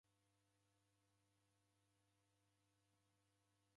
Mwalumu warimishwa ni mbeo